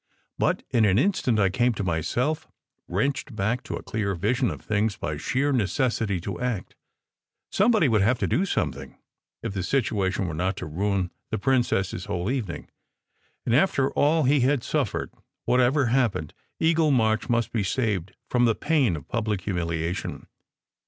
But in an instant I came to myself, wrenched back to a clear vision of things by sheer necessity to act. Some body would have to do something, if the situation were not to ruin the princess s whole evening; and after all he had suffered, whatever happened, Eagle March must be saved from the pain of public humiliation.